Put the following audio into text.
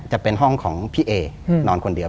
จะเป็นห้องของพี่เอนอนคนเดียว